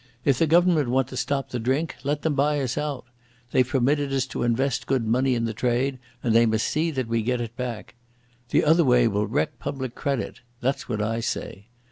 If the Government want to stop the drink, let them buy us out. They've permitted us to invest good money in the trade, and they must see that we get it back. The other way will wreck public credit. That's what I say.